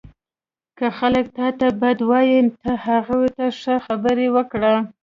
• که خلک تا ته بد وایي، ته هغوی ته ښې خبرې وکړه.